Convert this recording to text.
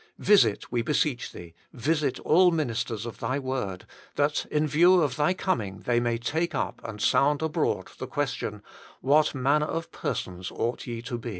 Visit, we beseech Thee, visit all ministers of Thy word, that in view of Thy coming they may take up and sound abroad the question, What manner of persons ought ye to be